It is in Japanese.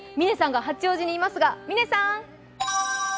嶺さんが八王子にいますが嶺さん。